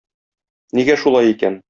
Нигә шулай икән?